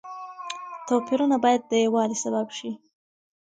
توپيرونه بايد د يووالي سبب شي.